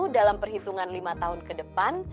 dalam perhitungan lima tahun ke depan